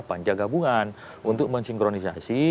panja gabungan untuk mensinkronisasi